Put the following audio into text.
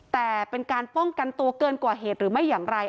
แต่เป็นการป้องกันตัวเกินกว่าเหตุหรือไม่อย่างไร